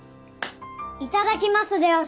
いただきますである。